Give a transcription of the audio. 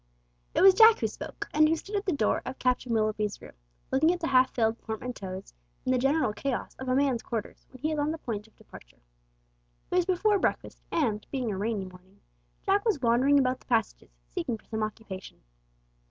It was Jack who spoke, and who stood at the door of Captain Willoughby's room, looking at the half filled portmanteaus, and the general chaos of a man's quarters when he is on the point of departure. It was before breakfast, and being a rainy morning, Jack was wandering about the passages seeking for some occupation.